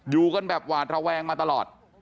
อยู่กันแบบหวาดระแวงมาตลอด